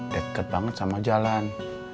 deket banget sama jalan